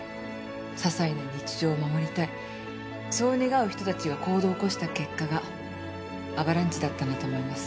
ささいな日常を守りたいそう願う人たちが行動を起こした結果がアバランチだったんだと思います。